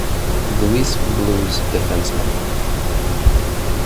Louis Blues defenseman.